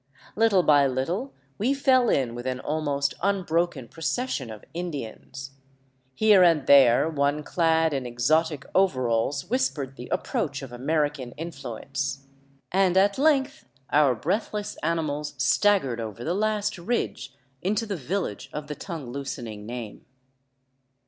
Little by little we fell in with an almost unbroken procession of Indians ; here and there one clad in exotic overalls whispered the approach of American influence, and at length our breathless animals staggered over the last ridge into the village of the tongue loosening name.